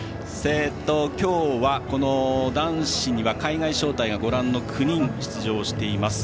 今日は、この男子には海外招待が９人出場しています。